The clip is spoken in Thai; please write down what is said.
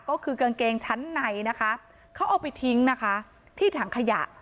ก็คือกางเกงชั้นในนะคะเขาเอาไปทิ้งนะคะที่ถังขยะ